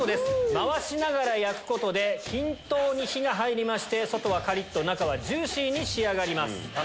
回しながら焼くことで均等に火が入りまして外はカリっと中はジューシーに仕上がります。